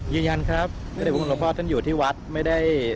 ยืนยันครับทฤพธิโรครัภภาพท่านอยู่ที่วัด